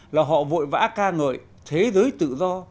là họ vội vã ca ngợi thế giới tự do